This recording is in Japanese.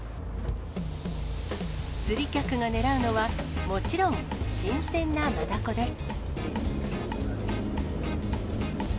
釣り客が狙うのは、もちろん、新鮮なマダコです。